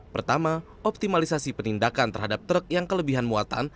pertama optimalisasi penindakan terhadap truk yang kelebihan muatan